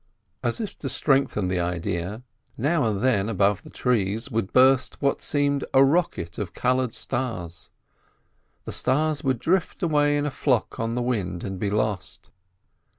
As if to strengthen the idea, now and then above the trees would burst what seemed a rocket of coloured stars. The stars would drift away in a flock on the wind and be lost.